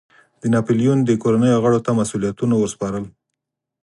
د ناپلیون د کورنیو غړو ته مسوولیتونو ور سپارل.